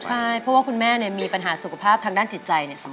ใช่เพราะว่าคุณแม่มีปัญหาสุขภาพทางด้านจิตใจเนี่ย